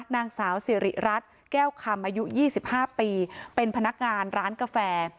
นางสาวสิริรัตน์แก้วคำอายุ๒๕ปีเป็นพนักงานร้านกาแฟ